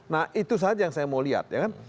nah itu saja yang saya mau lihat ya kan